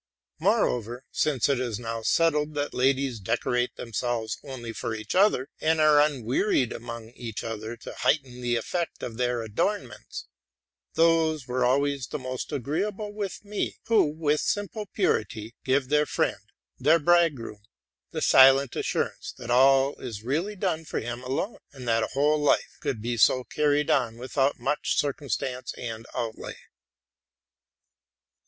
Moreover, since it is now settled that ladies decorate themselves only for each other, and are unwearied among each other to heighten the effect of their adornments, those were always the most agreeable to me, who, with simple purity, give their friend, their bride groom, the silent assurance that all is really done for him alone, and that a whole life could be so carried on without much circumstance and outlay.